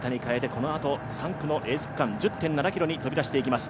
このあと３区のエース区間、１０．７ｋｍに飛び出していきます。